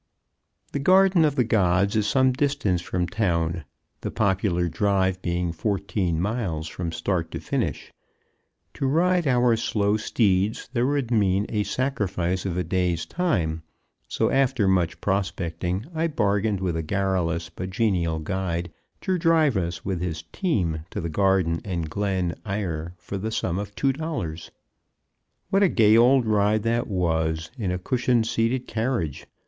The Garden of the Gods is some distance from town, the popular drive being fourteen miles from start to finish. To ride our slow steeds there would mean a sacrifice of a day's time. So after much prospecting, I bargained with a garrulous but genial guide to drive us with his team to the Garden and Glen Eyre for the sum of $2. What a gay old ride that was, in a cushion seated carriage!